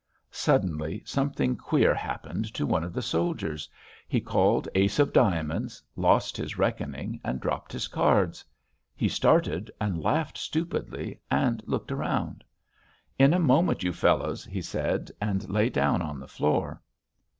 Suddenly something queer happened to one of the soldiers.... He called ace of diamonds, lost his reckoning and dropped his cards. He started and laughed stupidly and looked round. "In a moment, you fellows," he said and lay down on the floor.